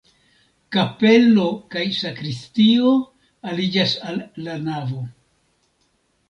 Kapelo kaj sakristio aliĝas al la navo.